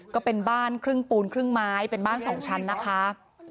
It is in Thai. ก็เป็นบ้านครึ่งปูนครึ่งไม้เป็นบ้าน๒ชั้นนะคะ